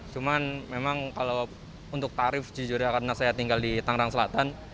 cuman memang kalau untuk tarif jujur ya karena saya tinggal di tangerang selatan